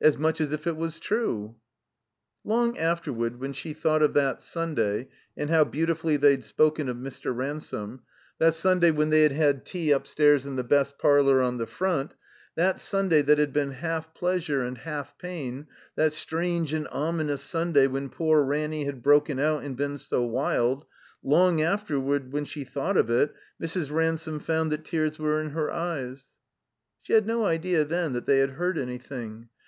As much as if it was true." Long afterward when she thought of that Sunday, and how beautifully they'd spoken of Mr. Ransome ; that Sunday when they had had tea upstairs in the best parlor on the front ; that Stmday that had been half pleasure and half pain; that strange and ominous Sunday when poor Ranny had broken out and been so wild; long afterward, when she thought of it, Mrs. Ransome found that tears were in her eyes. She had no idea then that they had heard any thing.